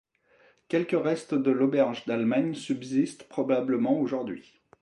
Quelques restes de l'Auberge d'Allemagne subsistent probablement aujourd'hui.